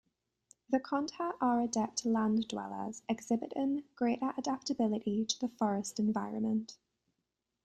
The Kondha are adept land dwellers exhibiting greater adaptability to the forest environment.